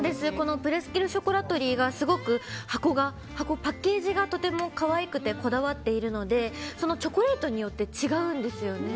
プレスキル・ショコラトリーがすごくパッケージがとても可愛くてこだわっているのでそのチョコレートによって違うんですよね。